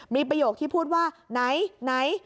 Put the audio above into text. มีประโยคที่พูดว่าไหนไหน